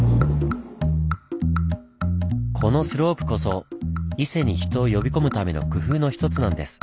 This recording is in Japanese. このスロープこそ伊勢に人を呼び込むための工夫の一つなんです。